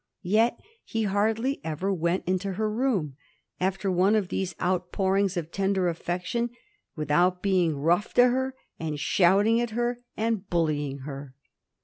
Yet he hardly ever went into her room, after one of these outpourings of tender affection, without being rough to her and shouting at her and bullying her.